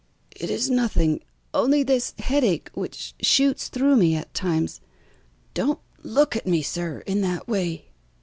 "It is nothing, only this headache which shoots through me at times. Don't look at me, sir, in that way.